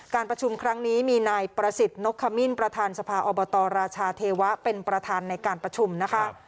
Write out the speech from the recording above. การประชุมครั้งนี้มีนายประสิทธิ์นกขมิ้นประธานสภาอบตรราชาเทวะเป็นประธานในการประชุมนะคะ